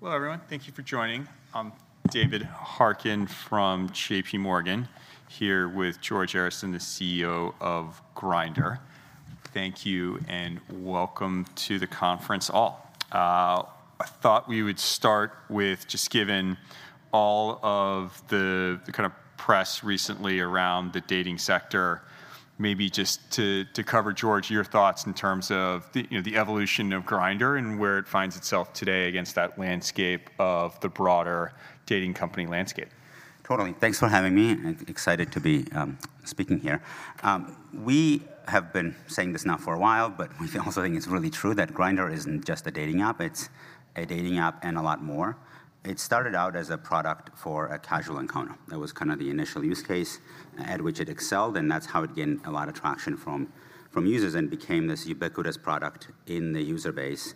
Hello, everyone. Thank you for joining. I'm David Harkin from JPMorgan, here with George Arison, the CEO of Grindr. Thank you, and welcome to the conference, all. I thought we would start with just given all of the, the kind of press recently around the dating sector, maybe just to, to cover, George, your thoughts in terms of the, you know, the evolution of Grindr and where it finds itself today against that landscape of the broader dating company landscape. Totally. Thanks for having me, and excited to be speaking here. We have been saying this now for a while, but we also think it's really true, that Grindr isn't just a dating app, it's a dating app and a lot more. It started out as a product for a casual encounter. That was kind of the initial use case at which it excelled, and that's how it gained a lot of traction from, from users and became this ubiquitous product in the user base,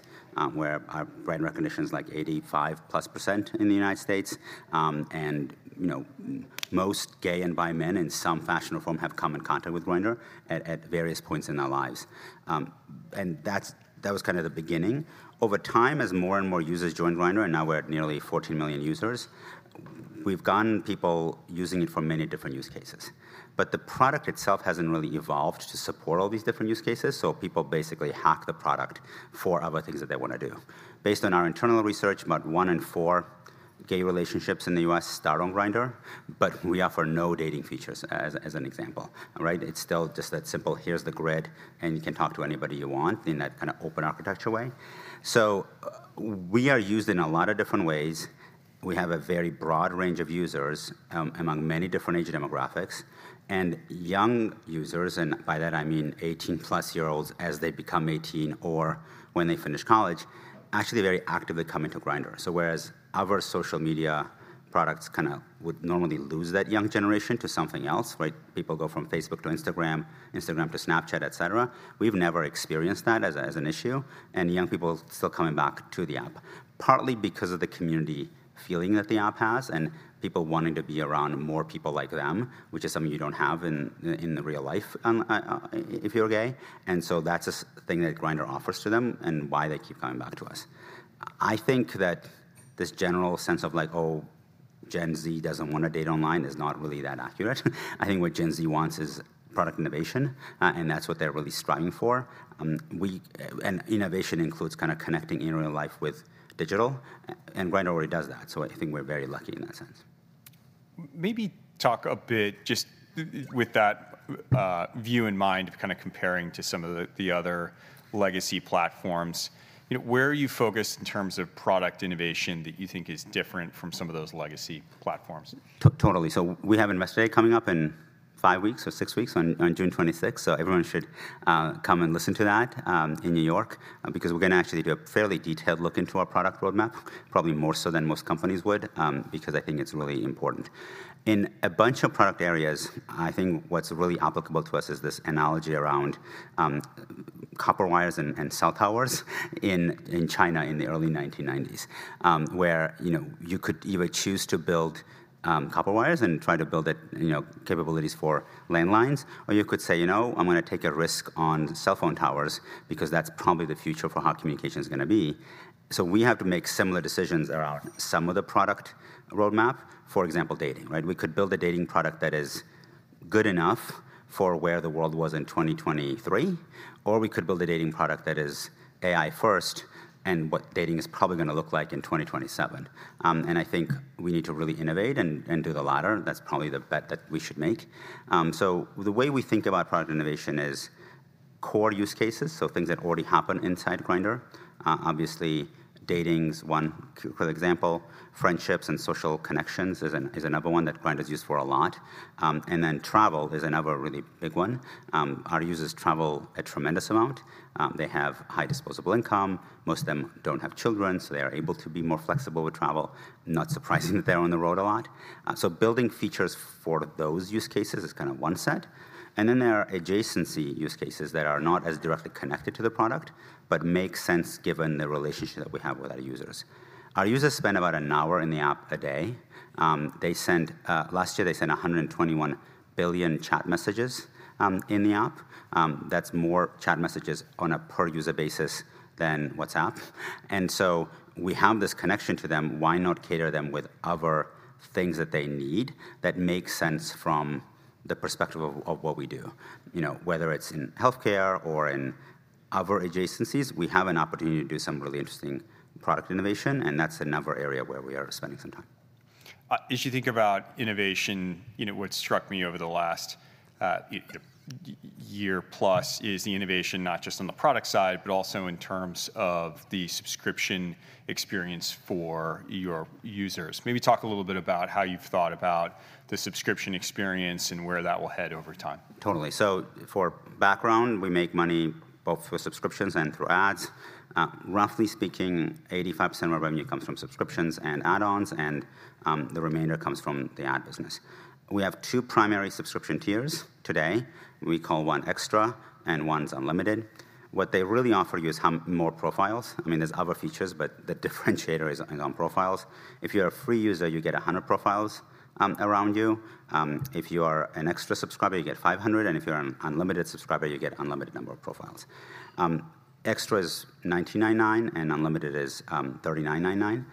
where our brand recognition is, like, 85%+ in the United States. And, you know, most gay and bi men, in some fashion or form, have come in contact with Grindr at, at various points in their lives. And that's, that was kind of the beginning. Over time, as more and more users joined Grindr, and now we're at nearly 14 million users, we've gotten people using it for many different use cases. But the product itself hasn't really evolved to support all these different use cases, so people basically hack the product for other things that they wanna do. Based on our internal research, about 1 in 4 gay relationships in the U.S. start on Grindr, but we offer no dating features, as, as an example, right? It's still just that simple: here's the grid, and you can talk to anybody you want in that kind of open architecture way. So we are used in a lot of different ways. We have a very broad range of users among many different age demographics. And young users, and by that I mean 18+-year-olds, as they become 18 or when they finish college, actually very actively come into Grindr. So whereas other social media products kinda would normally lose that young generation to something else, right? People go from Facebook to Instagram, Instagram to Snapchat, et cetera. We've never experienced that as an issue, and young people still coming back to the app. Partly because of the community feeling that the app has and people wanting to be around more people like them, which is something you don't have in the real life if you're gay. And so that's a thing that Grindr offers to them and why they keep coming back to us. I think that this general sense of like, "Oh, Gen Z doesn't wanna date online," is not really that accurate. I think what Gen Z wants is product innovation, and that's what they're really striving for. Innovation includes kind of connecting in real life with digital, and Grindr already does that, so I think we're very lucky in that sense. Maybe talk a bit, just with that view in mind of kind of comparing to some of the other legacy platforms. You know, where are you focused in terms of product innovation that you think is different from some of those legacy platforms? Totally. So we have Investor Day coming up in 5 weeks or 6 weeks, on June 26th, so everyone should come and listen to that, in New York, because we're gonna actually do a fairly detailed look into our product roadmap, probably more so than most companies would, because I think it's really important. In a bunch of product areas, I think what's really applicable to us is this analogy around copper wires and cell towers in China in the early 1990s. Where, you know, you could either choose to build, copper wires and try to build it, you know, capabilities for landlines, or you could say, "You know, I'm gonna take a risk on cell phone towers, because that's probably the future for how communication is gonna be." So we have to make similar decisions around some of the product roadmap. For example, dating, right? We could build a dating product that is good enough for where the world was in 2023, or we could build a dating product that is AI first and what dating is probably gonna look like in 2027. And I think we need to really innovate and, and do the latter. That's probably the bet that we should make. So the way we think about product innovation is core use cases, so things that already happen inside Grindr. Obviously, dating's one clear example. Friendships and social connections is another one that Grindr is used for a lot. And then travel is another really big one. Our users travel a tremendous amount. They have high disposable income. Most of them don't have children, so they are able to be more flexible with travel. Not surprising that they're on the road a lot. So building features for those use cases is kind of one set. And then there are adjacency use cases that are not as directly connected to the product, but make sense given the relationship that we have with our users. Our users spend about an hour in the app a day. They sent... Last year, they sent 121 billion chat messages in the app. That's more chat messages on a per user basis than WhatsApp. And so we have this connection to them. Why not cater them with other things that they need that make sense from the perspective of what we do? You know, whether it's in healthcare or in other adjacencies, we have an opportunity to do some really interesting product innovation, and that's another area where we are spending some time. As you think about innovation, you know, what struck me over the last year plus is the innovation, not just on the product side, but also in terms of the subscription experience for your users. Maybe talk a little bit about how you've thought about the subscription experience and where that will head over time. Totally. So for background, we make money both through subscriptions and through ads. Roughly speaking, 85% of our revenue comes from subscriptions and add-ons, and the remainder comes from the ad business. We have two primary subscription tiers today. We call one XTRA and one's Unlimited. What they really offer you is more profiles. I mean, there's other features, but the differentiator is, is on profiles. If you're a free user, you get 100 profiles around you. If you are an XTRA subscriber, you get 500, and if you're an Unlimited subscriber, you get unlimited number of profiles. XTRA is $19.99, and Unlimited is $39.99.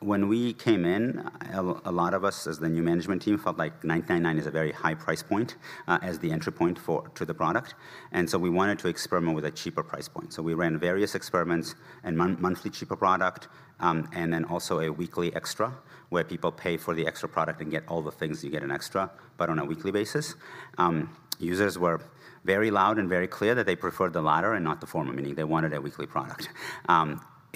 When we came in, a lot of us, as the new management team, felt like $9.99 is a very high price point, as the entry point to the product, and so we wanted to experiment with a cheaper price point. So we ran various experiments and monthly cheaper product, and then also a weekly XTRA, where people pay for the XTRA product and get all the things you get in XTRA, but on a weekly basis. Users were very loud and very clear that they preferred the latter and not the former, meaning they wanted a weekly product.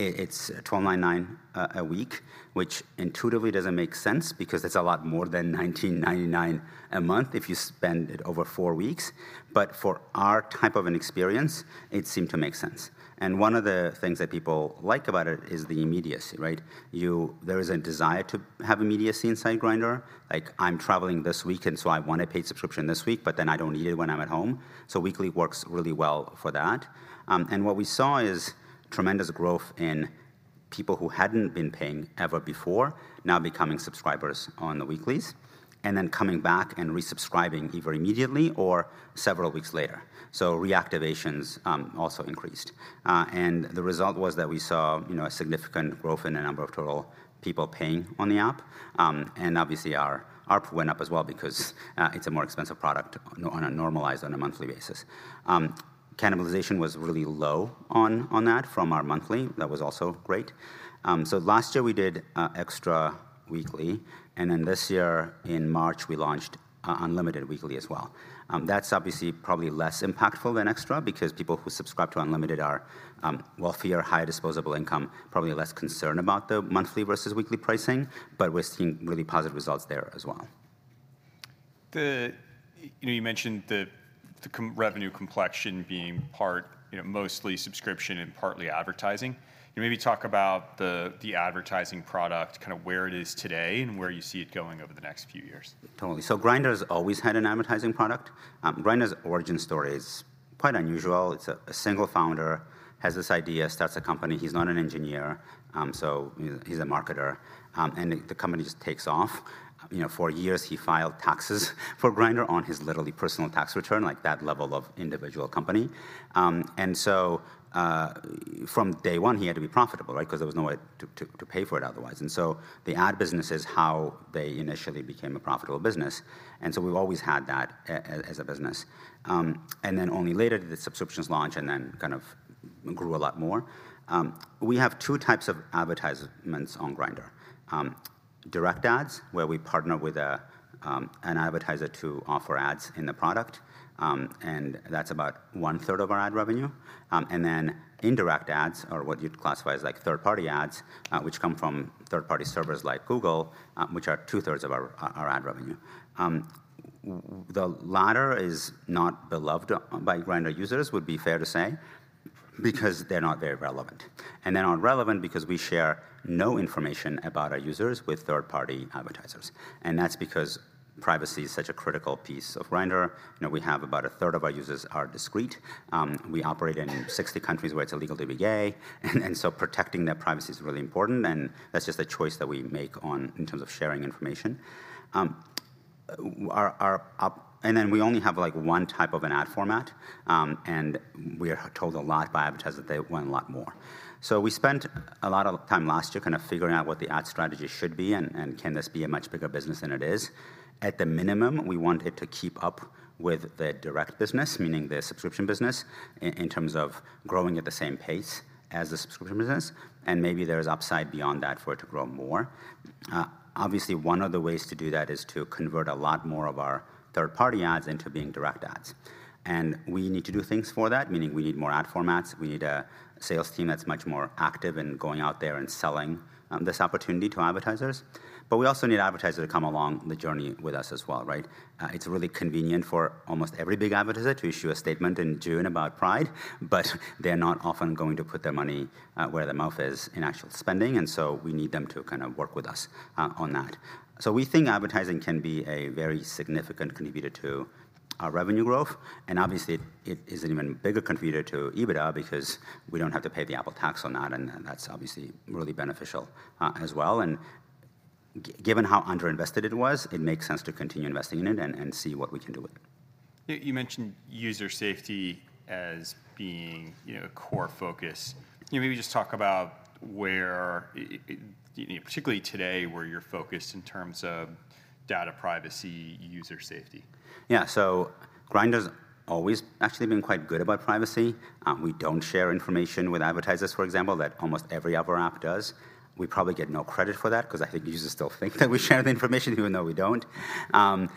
It's $12.99 a week, which intuitively doesn't make sense because it's a lot more than $19.99 a month if you spend it over four weeks. But for our type of an experience, it seemed to make sense. One of the things that people like about it is the immediacy, right? There is a desire to have immediacy inside Grindr. Like, I'm traveling this week, and so I want a paid subscription this week, but then I don't need it when I'm at home, so weekly works really well for that. And what we saw is tremendous growth in people who hadn't been paying ever before, now becoming subscribers on the weeklies, and then coming back and resubscribing either immediately or several weeks later. So reactivations also increased. And the result was that we saw, you know, a significant growth in the number of total people paying on the app. And obviously, our ARPU went up as well because it's a more expensive product on a normalized monthly basis. Cannibalization was really low on, on that from our monthly. That was also great. So last year we did XTRA weekly, and then this year, in March, we launched Unlimited weekly as well. That's obviously probably less impactful than XTRA because people who subscribe to Unlimited are wealthier, higher disposable income, probably less concerned about the monthly versus weekly pricing, but we're seeing really positive results there as well. You know, you mentioned the company's revenue complexion being part, you know, mostly subscription and partly advertising. Can you maybe talk about the advertising product, kind of where it is today and where you see it going over the next few years? Totally. So Grindr's always had an advertising product. Grindr's origin story is quite unusual. It's a single founder, has this idea, starts a company. He's not an engineer, so you know, he's a marketer, and the company just takes off. You know, for years, he filed taxes for Grindr on his literally personal tax return, like, that level of individual company. And so from day one, he had to be profitable, right? Because there was no way to pay for it otherwise. And so the ad business is how they initially became a profitable business, and so we've always had that as a business. And then only later did the subscriptions launch and then kind of grew a lot more. We have two types of advertisements on Grindr: direct ads, where we partner with an advertiser to offer ads in the product, and that's about one third of our ad revenue. And then indirect ads are what you'd classify as, like, third-party ads, which come from third-party servers like Google, which are two thirds of our ad revenue. The latter is not beloved by Grindr users, would be fair to say, because they're not very relevant. And they're not relevant because we share no information about our users with third-party advertisers, and that's because privacy is such a critical piece of Grindr. You know, we have about a third of our users are discreet. We operate in 60 countries where it's illegal to be gay, and so protecting their privacy is really important, and that's just a choice that we make on, in terms of sharing information. Our app. And then we only have, like, one type of an ad format, and we are told a lot by advertisers that they want a lot more. So we spent a lot of time last year kind of figuring out what the ad strategy should be and can this be a much bigger business than it is. At the minimum, we want it to keep up with the direct business, meaning the subscription business, in terms of growing at the same pace as the subscription business, and maybe there's upside beyond that for it to grow more. Obviously, one of the ways to do that is to convert a lot more of our third-party ads into being direct ads, and we need to do things for that, meaning we need more ad formats, we need a sales team that's much more active in going out there and selling this opportunity to advertisers. But we also need advertisers to come along the journey with us as well, right? It's really convenient for almost every big advertiser to issue a statement in June about Pride, but they're not often going to put their money where their mouth is in actual spending, and so we need them to kind of work with us on that. We think advertising can be a very significant contributor to our revenue growth, and obviously, it is an even bigger contributor to EBITDA because we don't have to pay the Apple Tax on that, and that's obviously really beneficial, as well. Given how underinvested it was, it makes sense to continue investing in it and see what we can do with it. You mentioned user safety as being, you know, a core focus. Can you maybe just talk about where, you know, particularly today, where you're focused in terms of data privacy, user safety? Yeah. So Grindr's always actually been quite good about privacy. We don't share information with advertisers, for example, that almost every other app does. We probably get no credit for that, 'cause I think users still think that we share the information, even though we don't. And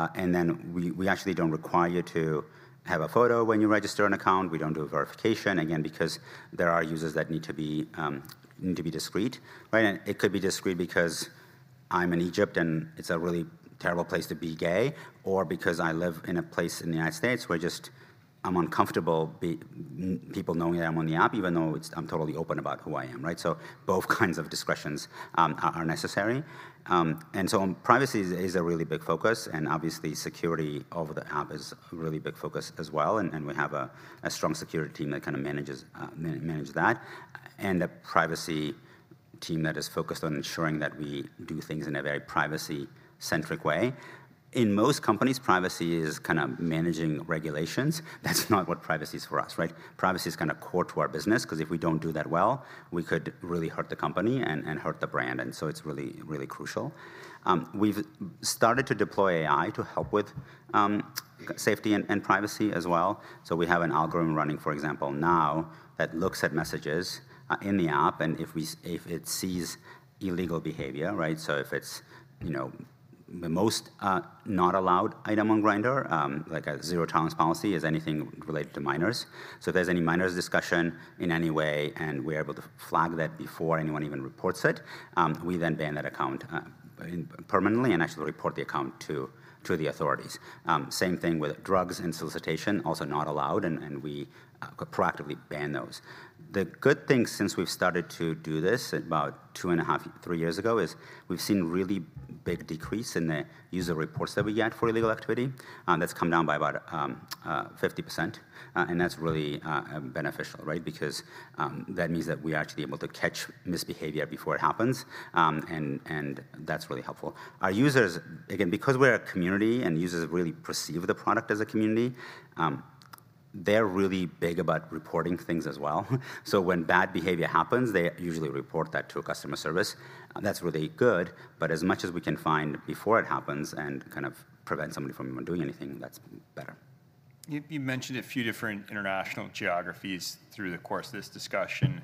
then we actually don't require you to have a photo when you register an account. We don't do a verification, again, because there are users that need to be discreet, right? And it could be discreet because I'm in Egypt, and it's a really terrible place to be gay, or because I live in a place in the United States where just I'm uncomfortable people knowing that I'm on the app, even though it's-- I'm totally open about who I am, right? So both kinds of discretions are necessary. And so, privacy is a really big focus, and obviously, security of the app is a really big focus as well, and we have a strong security team that kind of manages that. And the privacy team that is focused on ensuring that we do things in a very privacy-centric way. In most companies, privacy is kind of managing regulations. That's not what privacy is for us, right? Privacy is kind of core to our business, 'cause if we don't do that well, we could really hurt the company and hurt the brand, and so it's really, really crucial. We've started to deploy AI to help with safety and privacy as well. So we have an algorithm running, for example, now, that looks at messages in the app, and if it sees illegal behavior, right? So if it's, you know, the most not allowed item on Grindr, like a zero tolerance policy, is anything related to minors. So if there's any minors discussion in any way, and we're able to flag that before anyone even reports it, we then ban that account, permanently, and actually report the account to the authorities. Same thing with drugs and solicitation, also not allowed, and we proactively ban those. The good thing since we've started to do this, about 2.5-3 years ago, is we've seen really big decrease in the user reports that we get for illegal activity. That's come down by about 50%. And that's really beneficial, right? Because that means that we are actually able to catch misbehavior before it happens. And that's really helpful. Our users. Again, because we're a community, and users really perceive the product as a community, they're really big about reporting things as well. So when bad behavior happens, they usually report that to our customer service, and that's really good, but as much as we can find before it happens and kind of prevent somebody from even doing anything, that's better. You mentioned a few different international geographies through the course of this discussion.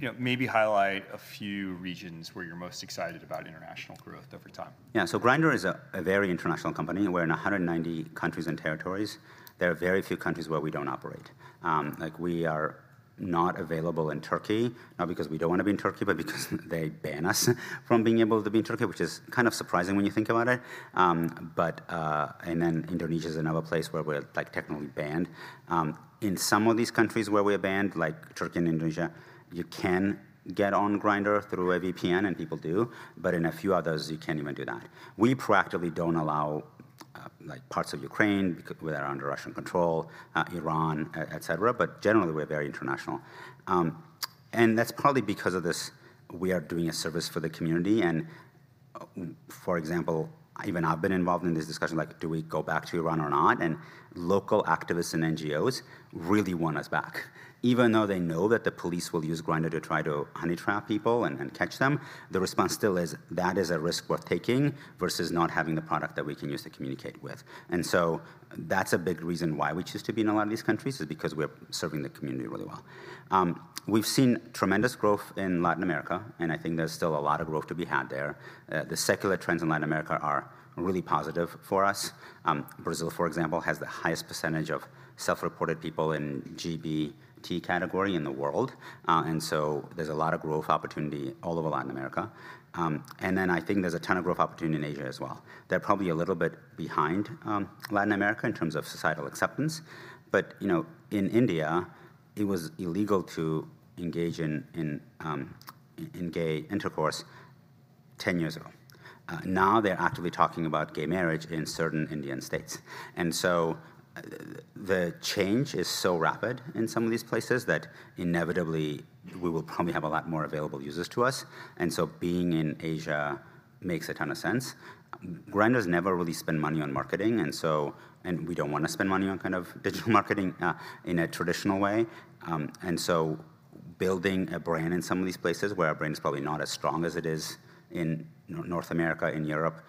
You know, maybe highlight a few regions where you're most excited about international growth over time. Yeah. So Grindr is a very international company. We're in 190 countries and territories. There are very few countries where we don't operate. Like we are not available in Turkey, not because we don't want to be in Turkey, but because they ban us from being able to be in Turkey, which is kind of surprising when you think about it. But, and then Indonesia is another place where we're, like, technically banned. In some of these countries where we're banned, like Turkey and Indonesia, you can get on Grindr through a VPN, and people do, but in a few others, you can't even do that. We proactively don't allow, like parts of Ukraine that are under Russian control, Iran, et cetera, but generally, we're very international. And that's partly because of this, we are doing a service for the community, and, for example, even I've been involved in this discussion, like, do we go back to Iran or not? And local activists and NGOs really want us back. Even though they know that the police will use Grindr to try to honey trap people and, and catch them, the response still is, "That is a risk worth taking versus not having the product that we can use to communicate with." And so, that's a big reason why we choose to be in a lot of these countries, is because we're serving the community really well. We've seen tremendous growth in Latin America, and I think there's still a lot of growth to be had there. The secular trends in Latin America are really positive for us. Brazil, for example, has the highest percentage of self-reported people in LGBT category in the world, and so there's a lot of growth opportunity all over Latin America. And then I think there's a ton of growth opportunity in Asia as well. They're probably a little bit behind, Latin America in terms of societal acceptance, but, you know, in India, it was illegal to engage in gay intercourse 10 years ago. Now they're actively talking about gay marriage in certain Indian states. And so, the change is so rapid in some of these places, that inevitably we will probably have a lot more available users to us, and so being in Asia makes a ton of sense. Grindr's never really spent money on marketing, and we don't wanna spend money on kind of digital marketing, in a traditional way. And so building a brand in some of these places, where our brand is probably not as strong as it is in North America and Europe,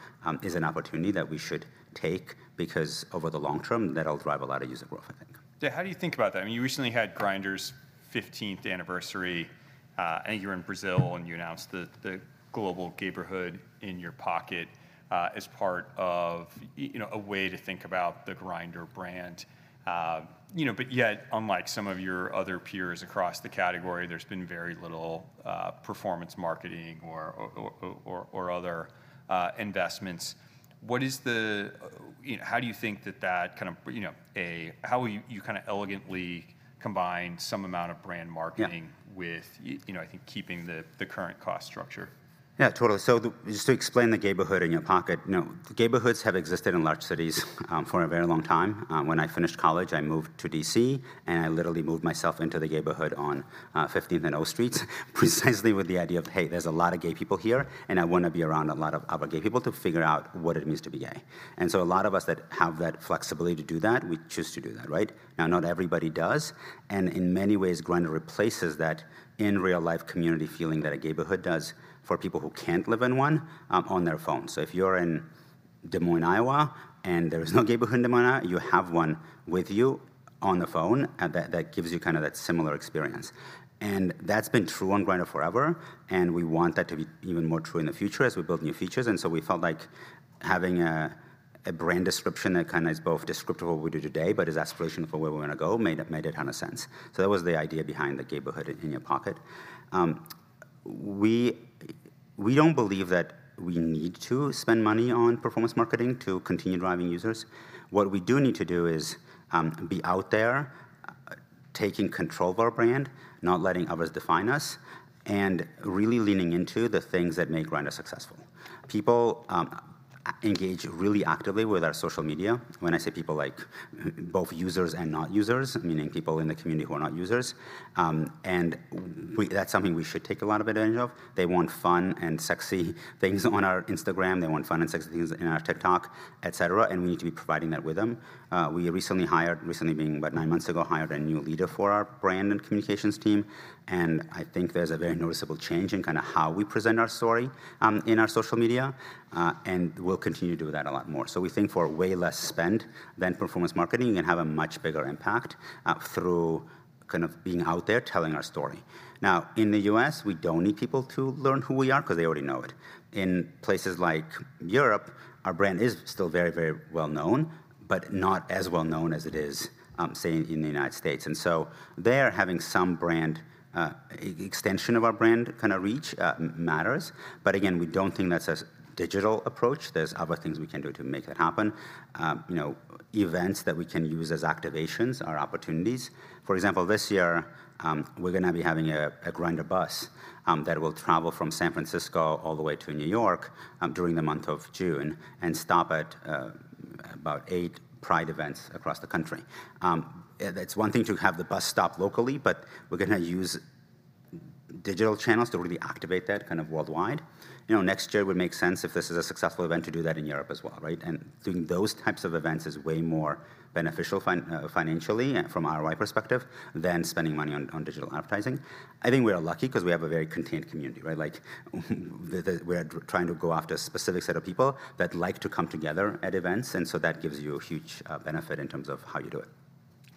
is an opportunity that we should take, because over the long term, that'll drive a lot of user growth, I think. Yeah, how do you think about that? I mean, you recently had Grindr's 15th anniversary. I think you were in Brazil, and you announced the global Gayborhood in your pocket, as part of you know, a way to think about the Grindr brand. You know, but yet, unlike some of your other peers across the category, there's been very little performance marketing or other investments. What is the you know... How do you think that that kind of you know, how will you, you kind of elegantly combine some amount of brand marketing- Yeah... with you know, I think keeping the current cost structure? Yeah, totally. So, just to explain the gayborhood in your pocket, you know, gayborhoods have existed in large cities for a very long time. When I finished college, I moved to D.C., and I literally moved myself into the gayborhood on Fifteenth and O Streets, precisely with the idea of, "Hey, there's a lot of gay people here, and I wanna be around a lot of other gay people to figure out what it means to be gay." And so, a lot of us that have that flexibility to do that, we choose to do that, right? Now, not everybody does, and in many ways, Grindr replaces that in real life community feeling that a gayborhood does for people who can't live in one, on their phone. So if you're in Des Moines, Iowa, and there is no gayborhood in Des Moines, you have one with you on the phone, and that gives you kind of that similar experience. And that's been true on Grindr forever, and we want that to be even more true in the future as we build new features. And so we felt like having a brand description that kinda is both descriptive of what we do today, but is aspiration for where we wanna go, made a ton of sense. So that was the idea behind the gayborhood in your pocket. We don't believe that we need to spend money on performance marketing to continue driving users. What we do need to do is, be out there, taking control of our brand, not letting others define us, and really leaning into the things that make Grindr successful. People engage really actively with our social media. When I say people, like, both users and not users, meaning people in the community who are not users. And that's something we should take a lot of advantage of. They want fun and sexy things on our Instagram. They want fun and sexy things in our TikTok, et cetera, and we need to be providing that with them. We recently hired, recently being about nine months ago, hired a new leader for our brand and communications team, and I think there's a very noticeable change in kinda how we present our story, in our social media, and we'll continue to do that a lot more. So we think for way less spend than performance marketing can have a much bigger impact, through kind of being out there, telling our story. Now, in the U.S., we don't need people to learn who we are, 'cause they already know it. In places like Europe, our brand is still very, very well known, but not as well known as it is, say, in the United States, and so there, having some brand extension of our brand kinda reach, matters. But again, we don't think that's a digital approach. There's other things we can do to make that happen. You know, events that we can use as activations are opportunities. For example, this year, we're gonna be having a Grindr bus that will travel from San Francisco all the way to New York during the month of June, and stop at about eight Pride events across the country. It's one thing to have the bus stop locally, but we're gonna use digital channels to really activate that, kind of, worldwide. You know, next year it would make sense, if this is a successful event, to do that in Europe as well, right? And doing those types of events is way more beneficial financially, from an ROI perspective, than spending money on digital advertising. I think we are lucky, 'cause we have a very contained community, right? Like, we're trying to go after a specific set of people that like to come together at events, and so that gives you a huge benefit in terms of how you do it.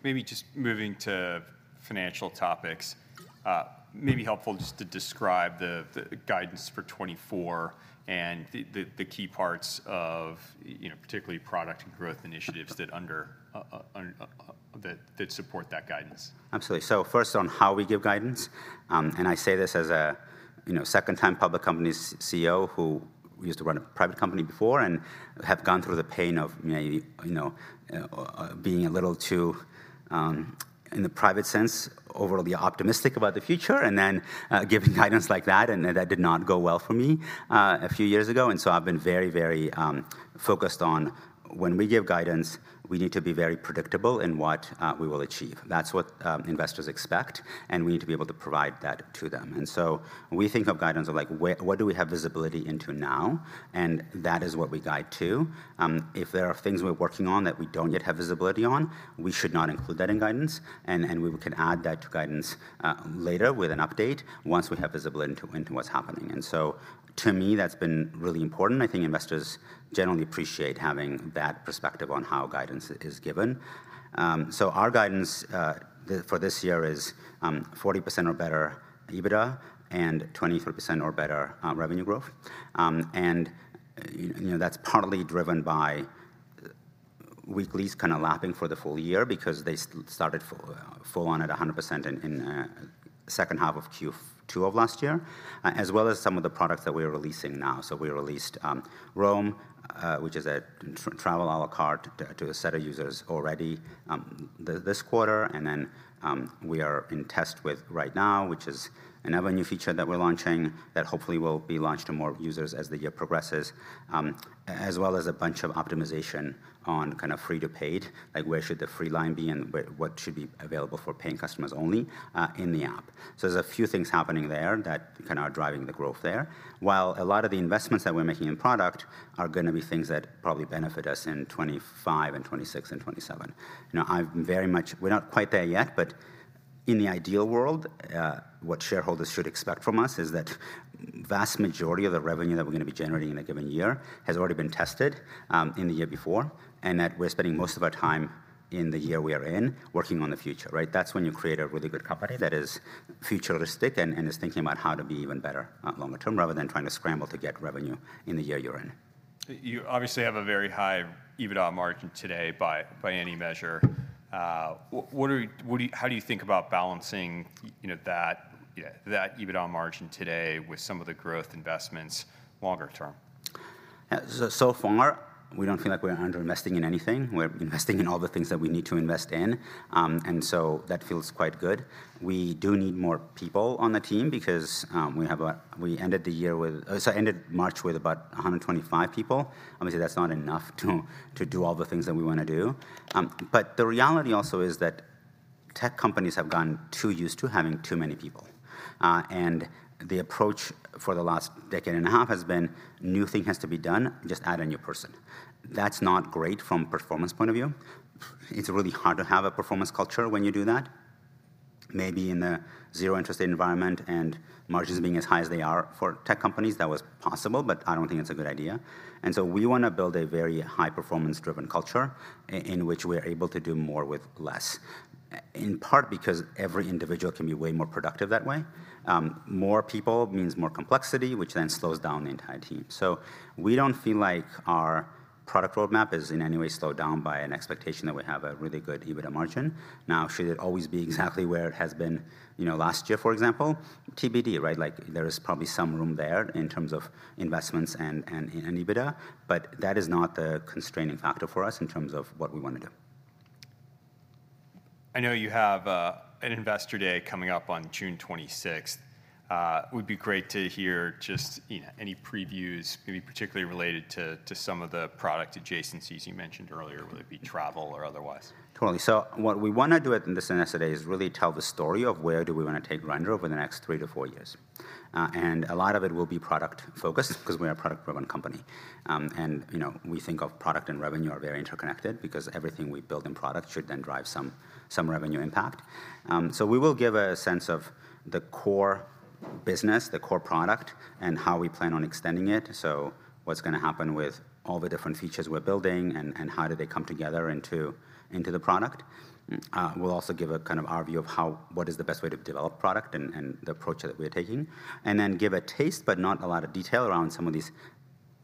Maybe just moving to financial topics. It may be helpful just to describe the guidance for 2024, and the key parts of, you know, particularly product and growth initiatives that support that guidance. Absolutely. So first, on how we give guidance, and I say this as a, you know, second-time public company CEO, who we used to run a private company before, and have gone through the pain of maybe, you know, being a little too, in the private sense, overly optimistic about the future, and then, giving guidance like that, and that did not go well for me, a few years ago. And so I've been very, very, focused on when we give guidance, we need to be very predictable in what, we will achieve. That's what, investors expect, and we need to be able to provide that to them. And so when we think of guidance, we're like, "Where, what do we have visibility into now?" And that is what we guide to. If there are things we're working on that we don't yet have visibility on, we should not include that in guidance, and we can add that to guidance later with an update once we have visibility into what's happening. So, to me, that's been really important. I think investors generally appreciate having that perspective on how guidance is given. So our guidance for this year is 40% or better EBITDA, and 23% or better revenue growth. You know, that's partly driven by weeklies kinda lapping for the full year, because they started full on at 100% in second half of Q2 of last year, as well as some of the products that we're releasing now. So we released, Roam, which is a travel a la carte to, to a set of users already, this quarter. And then, we are in test with Right Now, which is another new feature that we're launching, that hopefully will be launched to more users as the year progresses. As well as a bunch of optimization on, kind of, free to paid, like where should the free line be, and what should be available for paying customers only, in the app? So there's a few things happening there that kinda are driving the growth there. While a lot of the investments that we're making in product are gonna be things that probably benefit us in 2025 and 2026 and 2027. You know, I'm very much, we're not quite there yet, but in the ideal world, what shareholders should expect from us is that vast majority of the revenue that we're gonna be generating in a given year has already been tested, in the year before, and that we're spending most of our time in the year we are in working on the future, right? That's when you create a really good company that is futuristic and, and is thinking about how to be even better, longer term, rather than trying to scramble to get revenue in the year you're in. You obviously have a very high EBITDA margin today by any measure. What do you—how do you think about balancing, you know, that, yeah, that EBITDA margin today with some of the growth investments longer term? So far, we don't feel like we're under-investing in anything. We're investing in all the things that we need to invest in. So that feels quite good. We do need more people on the team, because we ended the year, ended March, with about 125 people. Obviously, that's not enough to do all the things that we wanna do. But the reality also is that tech companies have gotten too used to having too many people, and the approach for the last decade and a half has been, "New thing has to be done? Just add a new person." That's not great from a performance point of view. It's really hard to have a performance culture when you do that. Maybe in a zero-interest rate environment and margins being as high as they are for tech companies, that was possible, but I don't think it's a good idea. And so we wanna build a very high-performance driven culture, in which we're able to do more with less, in part because every individual can be way more productive that way. More people means more complexity, which then slows down the entire team. So we don't feel like our product roadmap is in any way slowed down by an expectation that we have a really good EBITDA margin. Now, should it always be exactly where it has been, you know, last year, for example? TBD, right? Like, there is probably some room there in terms of investments and, and in EBITDA, but that is not the constraining factor for us in terms of what we wanna do. ... I know you have an Investor Day coming up on June 26th. It would be great to hear just, you know, any previews, maybe particularly related to some of the product adjacencies you mentioned earlier, whether it be travel or otherwise. Totally. So what we wanna do at this investor day is really tell the story of where do we wanna take Grindr over the next 3-4 years. And a lot of it will be product focused 'cause we're a product-driven company. You know, we think of product and revenue are very interconnected because everything we build in product should then drive some revenue impact. So we will give a sense of the core business, the core product, and how we plan on extending it. So what's gonna happen with all the different features we're building and how do they come together into the product. We'll also give a kind of our view of how what is the best way to develop product and the approach that we're taking. Then give a taste, but not a lot of detail, around some of these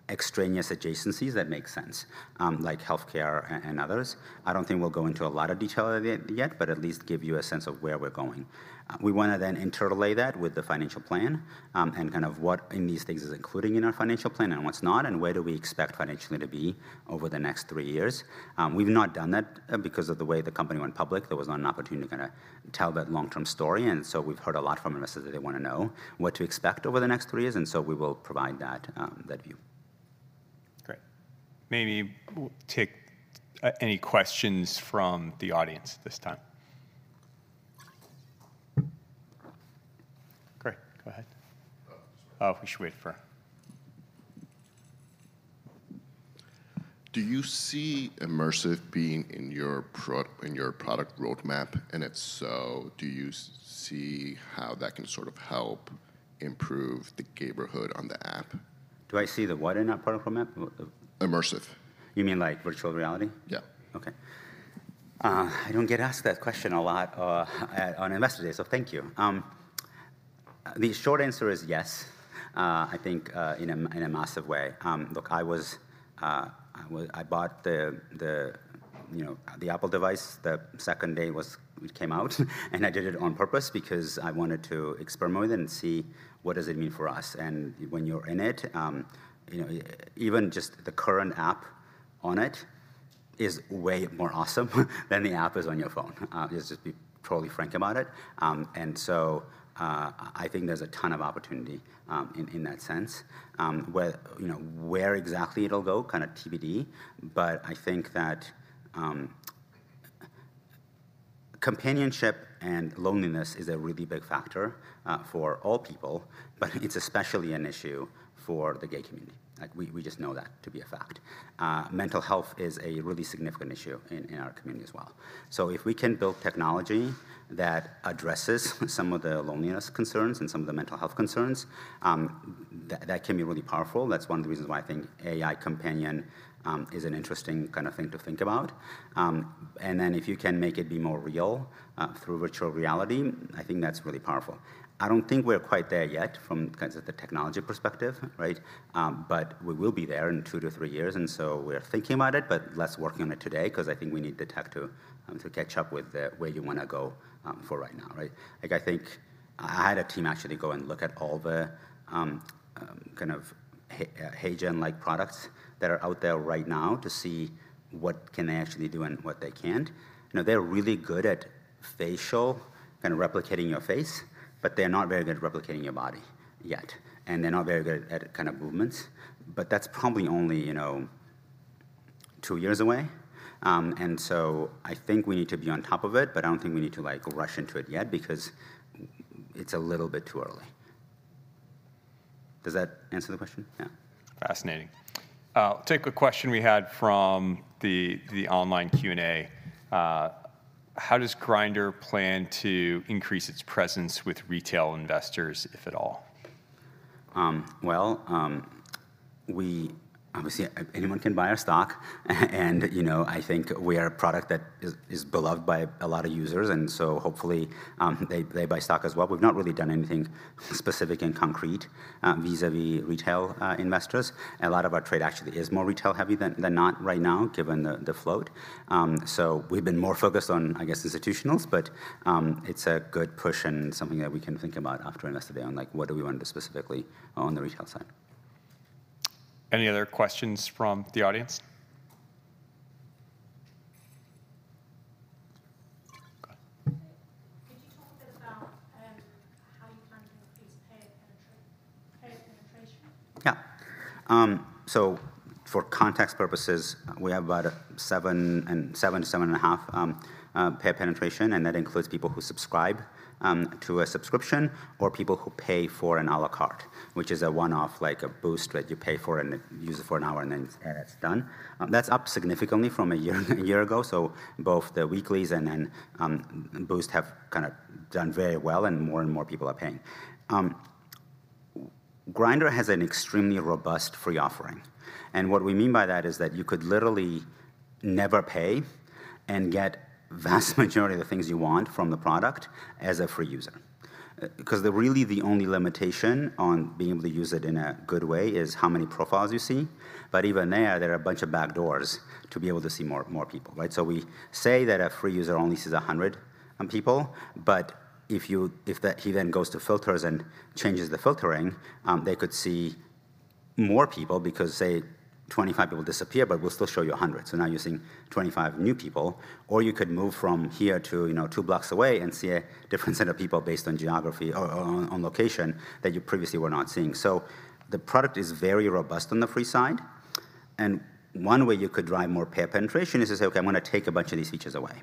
extraneous adjacencies that make sense, like healthcare and others. I don't think we'll go into a lot of detail of it yet, but at least give you a sense of where we're going. We wanna then interlay that with the financial plan, and kind of what in these things is including in our financial plan and what's not, and where do we expect financially to be over the next three years. We've not done that, because of the way the company went public. There was not an opportunity to kinda tell that long-term story, and so we've heard a lot from investors that they wanna know what to expect over the next three years, and so we will provide that, that view. Great. Maybe we take any questions from the audience this time. Great, go ahead. Oh, sorry. Oh, we should wait for... Do you see immersive being in your product roadmap? And if so, do you see how that can sort of help improve the Gayborhood on the app? Do I see the what in our product roadmap? Immersive. You mean, like Virtual Reality? Yeah. Okay. I don't get asked that question a lot, at, on Investor Day, so thank you. The short answer is yes, I think, in a massive way. Look, I was, I bought the, you know, the Apple device the second day it came out, and I did it on purpose because I wanted to experiment with it and see what does it mean for us. When you're in it, you know, even just the current app on it is way more awesome than the app is on your phone. Just to be totally frank about it. And so, I think there's a ton of opportunity, in that sense. Where, you know, where exactly it'll go, kind of TBD, but I think that companionship and loneliness is a really big factor for all people, but it's especially an issue for the gay community. Like, we just know that to be a fact. Mental health is a really significant issue in our community as well. So if we can build technology that addresses some of the loneliness concerns and some of the mental health concerns, that can be really powerful. That's one of the reasons why I think AI companion is an interesting kind of thing to think about. And then if you can make it be more real through virtual reality, I think that's really powerful. I don't think we're quite there yet from kinds of the technology perspective, right? But we will be there in two to three years, and so we're thinking about it, but less working on it today, 'cause I think we need the tech to catch up with the where you wanna go, for right now, right? Like I think I had a team actually go and look at all the kind of GenAI-like products that are out there right now to see what can they actually do and what they can't. You know, they're really good at facial, kind of replicating your face, but they're not very good at replicating your body yet. And they're not very good at kind of movements, but that's probably only, you know, two years away. and so I think we need to be on top of it, but I don't think we need to, like, rush into it yet because it's a little bit too early. Does that answer the question? Yeah. Fascinating. Take a question we had from the online Q&A: How does Grindr plan to increase its presence with retail investors, if at all? Well, we obviously, anyone can buy our stock. You know, I think we are a product that is beloved by a lot of users, and so hopefully, they buy stock as well. We've not really done anything specific and concrete vis-à-vis retail investors. A lot of our trade actually is more retail heavy than not right now, given the float. So we've been more focused on, I guess, institutionals, but it's a good push and something that we can think about after Investor Day, on, like, what do we want to do specifically on the retail side. Any other questions from the audience? Go ahead. Could you talk a bit about how you plan to increase paid penetration? Yeah. So for context purposes, we have about 7.5 paid penetration, and that includes people who subscribe to a subscription or people who pay for an à la carte, which is a one-off, like a Boost that you pay for and use it for an hour, and then it's done. That's up significantly from a year ago, so both the weeklies and then Boost have kind of done very well, and more and more people are paying. Grindr has an extremely robust free offering, and what we mean by that is that you could literally never pay and get vast majority of the things you want from the product as a free user. 'Cause really, the only limitation on being able to use it in a good way is how many profiles you see, but even there, there are a bunch of backdoors to be able to see more people, right? So we say that a free user only sees 100 people, but if he then goes to filters and changes the filtering, they could see more people because, say, 25 people disappear, but we'll still show you 100. So now you're seeing 25 new people, or you could move from here to, you know, two blocks away and see a different set of people based on geography or on location that you previously were not seeing. So the product is very robust on the free side, and one way you could drive more pay penetration is to say, "Okay, I'm gonna take a bunch of these features away,"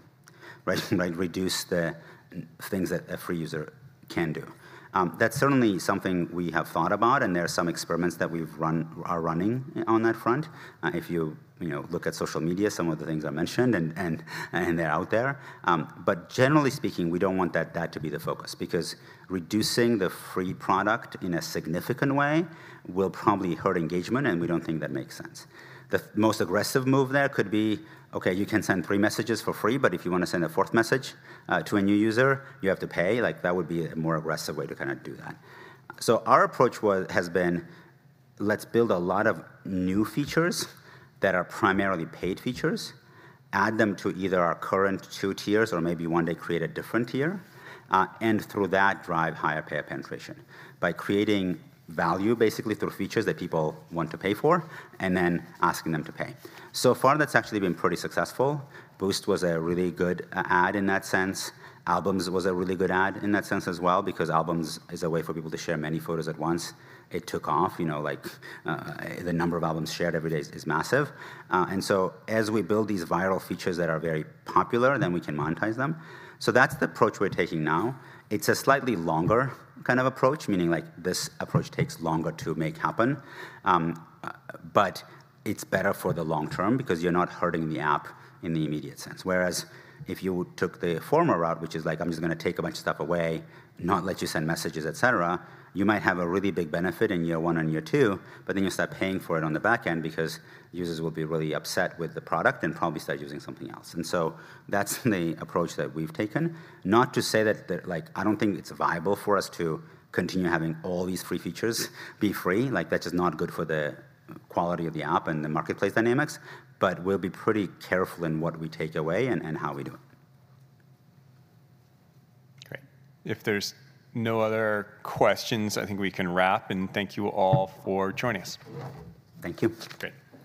right? Like, reduce the things that a free user can do. That's certainly something we have thought about, and there are some experiments that we've run, are running on that front. If you, you know, look at social media, some of the things I mentioned, and they're out there. But generally speaking, we don't want that to be the focus because reducing the free product in a significant way will probably hurt engagement, and we don't think that makes sense. The most aggressive move there could be, "Okay, you can send three messages for free, but if you wanna send a fourth message to a new user, you have to pay." Like, that would be a more aggressive way to kinda do that. So our approach has been, let's build a lot of new features that are primarily paid features, add them to either our current two tiers or maybe one day create a different tier, and through that, drive higher payer penetration by creating value, basically, through features that people want to pay for and then asking them to pay. So far, that's actually been pretty successful. Boost was a really good ad in that sense. Albums was a really good ad in that sense as well because Albums is a way for people to share many photos at once. It took off, you know, like, the number of albums shared every day is massive. And so as we build these viral features that are very popular, then we can monetize them. So that's the approach we're taking now. It's a slightly longer kind of approach, meaning, like, this approach takes longer to make happen. But it's better for the long term because you're not hurting the app in the immediate sense. Whereas if you took the former route, which is like, I'm just gonna take a bunch of stuff away, not let you send messages, et cetera, you might have a really big benefit in year one and year two, but then you start paying for it on the back end because users will be really upset with the product and probably start using something else. That's the approach that we've taken. Not to say that the... Like, I don't think it's viable for us to continue having all these free features be free. Like, that's just not good for the quality of the app and the marketplace dynamics, but we'll be pretty careful in what we take away and, and how we do it. Great. If there's no other questions, I think we can wrap, and thank you all for joining us. Thank you. Great.